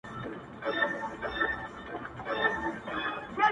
گراني شاعري دغه واوره ته;